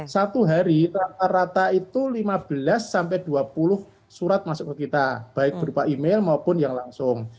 satu hari rata rata itu lima belas sampai dua puluh surat masuk ke kita baik berupa email maupun yang langsung